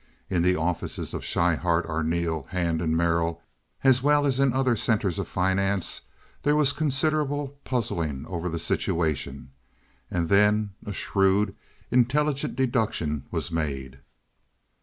In the offices of Schryhart, Arneel, Hand, and Merrill, as well as in other centers of finance, there was considerable puzzling over the situation, and then a shrewd, intelligent deduction was made.